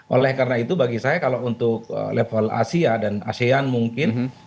oleh karena itu bagi saya kalau untuk level asia dan asean mungkin